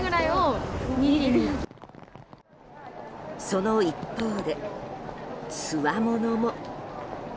その一方で、つわものも。